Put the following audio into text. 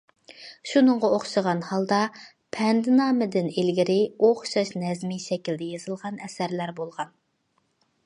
شۇنىڭغا ئوخشىغان ھالدا« پەندنامە» دىن ئىلگىرى ئوخشاش نەزمىي شەكىلدە يېزىلغان ئەسەرلەر بولغان.